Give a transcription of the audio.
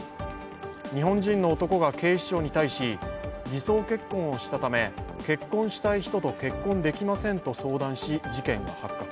日本人の男が警視庁に対し偽装結婚をしたため、結婚したい人と結婚できませんと相談し、事件が発覚。